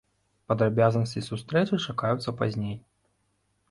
Падрабязнасці сустрэчы чакаюцца пазней.